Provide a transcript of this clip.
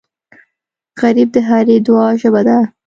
غریب د هرې دعا ژبه ده